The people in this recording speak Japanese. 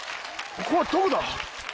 ここはどこだ？